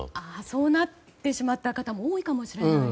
そうなってしまった方も多いかもしれませんね。